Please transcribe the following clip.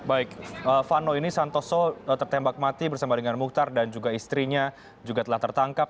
baik fano ini santoso tertembak mati bersama dengan muhtar dan juga istrinya juga telah tertangkap